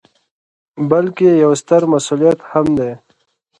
، بلکې یو ستر مسؤلیت هم دی